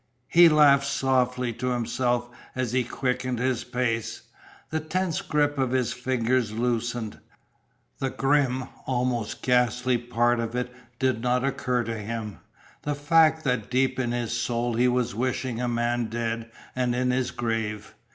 He laughed softly to himself as he quickened his pace. The tense grip of his fingers loosened. The grim, almost ghastly part of it did not occur to him the fact that deep in his soul he was wishing a man dead and in his grave.